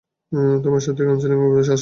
তোমার সত্যিই কাউন্সেলিং গ্রুপে আসা উচিত।